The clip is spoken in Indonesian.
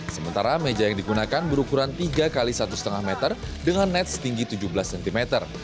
sementara meja yang digunakan berukuran tiga x satu lima meter dengan net setinggi tujuh belas cm